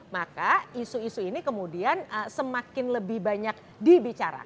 maka isu isu ini kemudian semakin lebih banyak dibicara